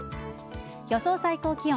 予想最高気温。